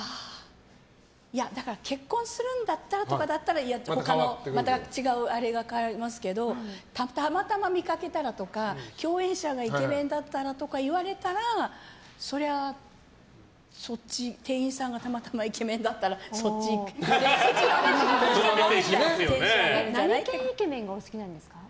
結婚するんだったらとかだったらまた他の違うあれが絡みますけどたまたま見かけたらとか共演者がイケメンだったらとか言われたらそりゃ、店員さんがたまたまイケメンだったら何系イケメンがお好きなんですか。